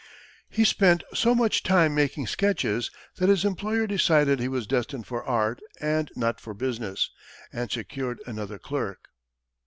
He spent so much time making sketches that his employer decided he was destined for art and not for business, and secured another clerk.